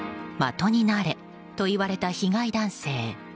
的になれと言われた被害男性。